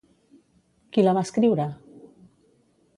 Qui la va escriure?